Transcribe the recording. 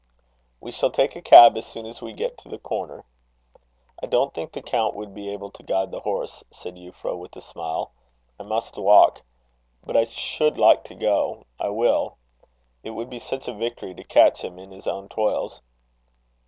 "We shall take a cab as soon as we get to the corner." "I don't think the count would be able to guide the horse," said Euphra, with a smile. "I must walk. But I should like to go. I will. It would be such a victory to catch him in his own toils."